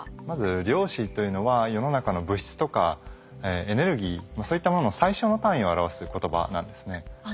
まず量子というのは世の中の物質とかエネルギーそういったものの最小の単位を表す言葉なんですね。